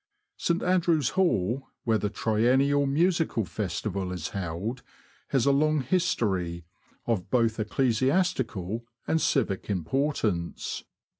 St. Andrew's Hall, where the Triennial Musical Festival is held, has a long history, of both eccle siastical and civic importance.